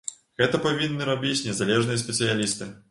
Гэта павінны рабіць незалежныя спецыялісты.